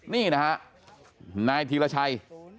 นี่นะฮะนายธีรชัย